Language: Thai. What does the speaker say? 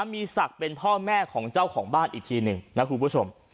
มีศักดิ์เป็นพ่อแม่ของเจ้าของบ้านอีกทีหนึ่งนะคุณผู้ชม